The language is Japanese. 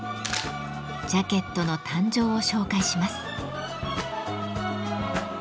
ジャケットの誕生を紹介します。